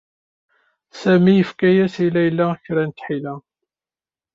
Sami yefka-as i Layla kra n tḥila.